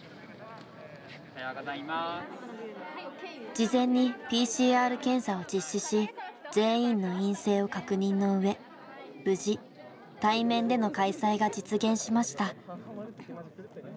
事前にＰＣＲ検査を実施し全員の陰性を確認の上無事対面での開催が実現しました。